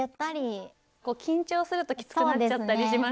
緊張するときつくなっちゃったりしますよね。